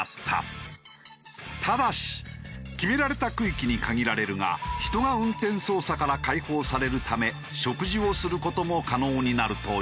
ただし決められた区域に限られるが人が運転操作から解放されるため食事をする事も可能になるという。